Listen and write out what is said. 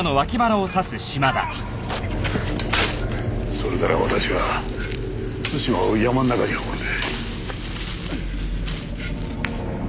それから私は津島を山の中に運んで。